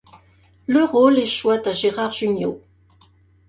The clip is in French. Le rôle échoit à Gérard Jugnot.